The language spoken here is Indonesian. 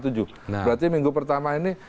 berarti minggu pertama ini